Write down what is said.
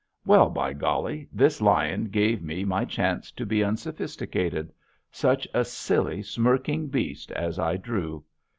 Well, by golly, this lion gave me my chance to be unsophisticated; such a silly, smirking beast as I drew!